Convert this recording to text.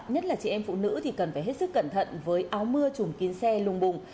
nhất là chị em phụ nữ thì cần phải hết sức cẩn thận với áo mưa chùm kín xe lùng bùng